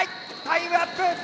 タイムアップ。